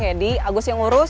kata bang edi agus yang urus